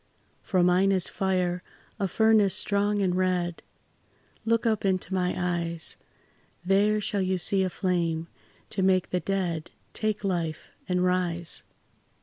For mine is fire a furnace strong and red; Look up into my eyes, There shall you see a flame to make the dead Take life and rise.